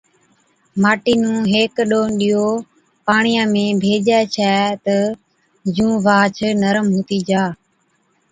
ماٽِي نُون هيڪ ڏون ڏِيئو پاڻِيان ۾ ڀيجَي ڇَي تہ جُون واهچ نرم هتِي جا،